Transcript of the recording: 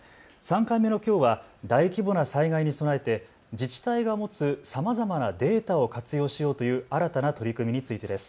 ３回目のきょうは大規模な災害に備えて自治体が持つさまざまなデータを活用しようという新たな取り組みについてです。